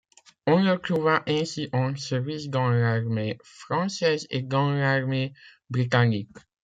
On le trouva ainsi en service dans l'armée française et dans l'armée britannique.